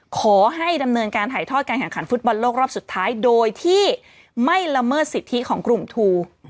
ขอให้ดำเนินการถ่ายทอดการแข่งขันฟุตบอลโลกรอบสุดท้ายโดยที่ไม่ละเมิดสิทธิของกลุ่มทู